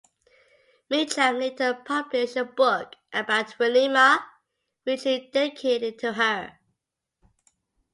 Meacham later published a book about Winema, which he dedicated to her.